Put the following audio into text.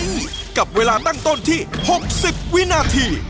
โดนเซ็นเซอร์ของเครื่องพิสูจน์รัก